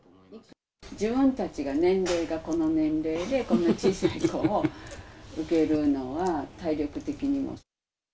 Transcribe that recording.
自分たちが年齢がこの年齢で、こんな小さい子を受けるのは、体力的にも。